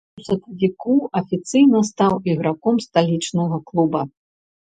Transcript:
У сакавіку афіцыйна стаў іграком сталічнага клуба.